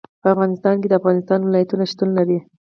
په افغانستان کې د افغانستان ولايتونه شتون لري.